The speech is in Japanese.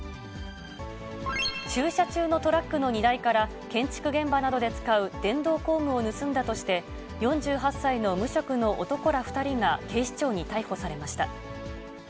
駐車中のトラックの荷台から建築現場などで使う電動工具を盗んだとして、４８歳の無職の男ら２人が警視庁に逮捕されました。